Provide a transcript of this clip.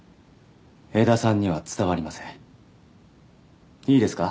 江田さんには伝わりませんいいですか？